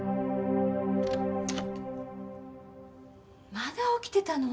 まだ起きてたの？